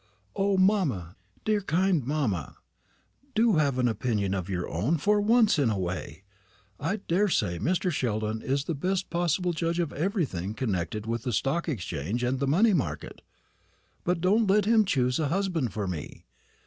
"O, mamma, dear kind mamma, do have an opinion of your own for once in a way! I daresay Mr. Sheldon is the best possible judge of everything connected with the Stock Exchange and the money market; but don't let him choose a husband for me.